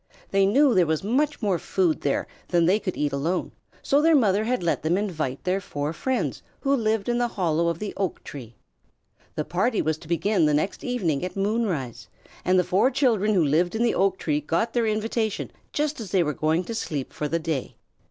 They knew there was much more food there than they could eat alone, so their mother had let them invite their four friends who lived in the hollow of the oak tree. The party was to begin the next evening at moonrise, and the four children who lived in the oak tree got their invitation just as they were going to sleep for the day.